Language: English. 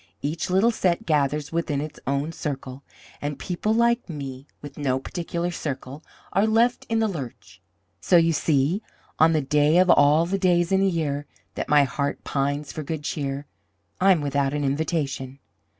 Each little set gathers within its own circle; and people like me, with no particular circle, are left in the lurch. So you see, on the day of all the days in the year that my heart pines for good cheer, I'm without an invitation.